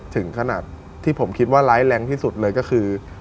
ถึงขนาดที่ผมคิดว่าร้ายแรงที่สุดเลยก็คือ